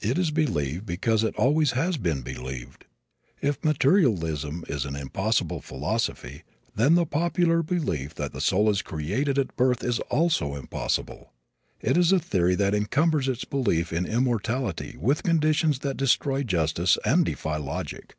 It is believed because it always has been believed. If materialism is an impossible philosophy, then the popular belief that the soul is created at birth is also impossible. It is a theory that encumbers its belief in immortality with conditions that destroy justice and defy logic.